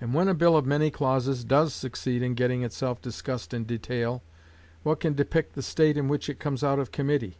And when a bill of many clauses does succeed in getting itself discussed in detail, what can depict the state in which it comes out of committee!